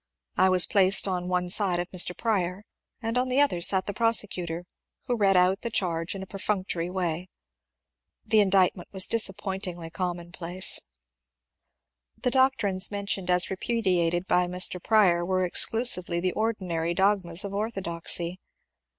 I was placed on one side of Mr. Prior and on the other sat the prosecutor, who read out the charge in a perfunctory way. The indictment was disappointingly commonplace ; the 346 MONCURB DANIEL CONWAY doctrines mentioned as repudiated by Mr. Prior were exchi sively the ordinary dogmas of orthodoxy.